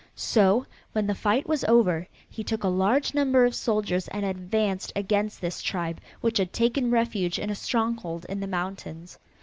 So, when the fight was over, he took a large number of soldiers and advanced against this tribe which had taken refuge in a stronghold in the mountains.